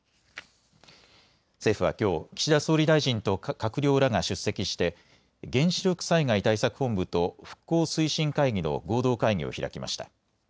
政府はきょう岸田総理大臣と閣僚らが出席して原子力災害対策本部と復興推進会議の合同会議を開きました。